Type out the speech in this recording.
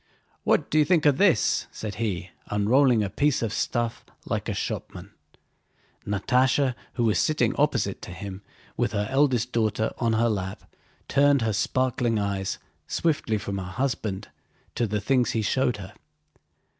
"What do you think of this?" said he, unrolling a piece of stuff like a shopman. Natásha, who was sitting opposite to him with her eldest daughter on her lap, turned her sparkling eyes swiftly from her husband to the things he showed her.